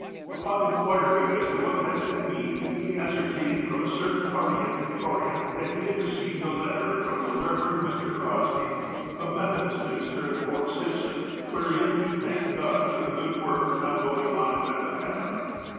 Upon inquiry as to what that could mean, he ascer tained from a certain party at Victoria, that he had re ceived a letter from the Eev. Mr. Crosby, a Methodist minister at Fort Simpson, wherein he thanked God for the good work now going on at Metlakahtla.